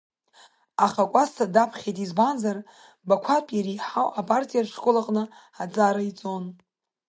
Аха Кәасҭа даԥхьеит, избанзар, Бақәатәи иреиҳау апартиатә школ аҟны аҵара иҵон.